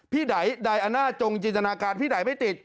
ไหนไดอาน่าจงจินตนาการพี่ไดไม่ติด